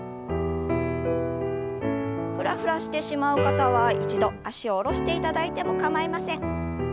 フラフラしてしまう方は一度脚を下ろしていただいても構いません。